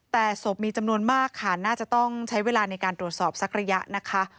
แต่ศพมีจำนวนมากค่ะน่าจะต้องใช้เวลาในการตรวจสอบสักระยะนะคะ